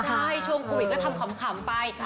ใช่ช่วงโควิดก็ทำขำไป